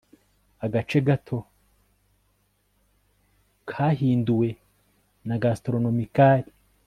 Agace gato kahinduwe na gastronomical